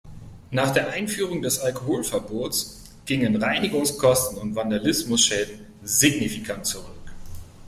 Nach der Einführung des Alkoholverbots gingen Reinigungskosten und Vandalismusschäden signifikant zurück.